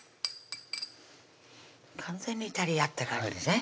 完全にイタリアって感じでね